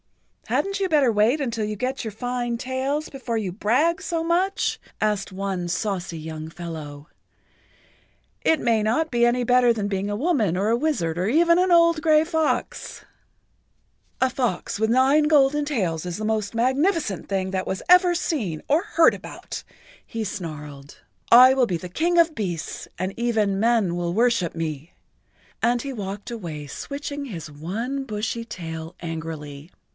"Hadn't you better wait until you get[Pg 72] your fine tails before you brag so much?" asked one saucy young fellow. "It may not be any better than being a woman or a wizard or even an old gray fox." "A fox with nine golden tails is the most magnificent thing that was ever seen or heard about," he snarled. "I will be the King of Beasts and even men will worship me," and he walked away switching his one bushy tail angrily.